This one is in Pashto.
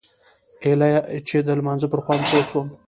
ايله چې د لمانځه پر خوند پوه سوم.